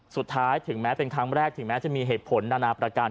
สุดท้ายถึงแม้เป็นครั้งแรกถึงแม้จะมีเหตุผลนานาประการ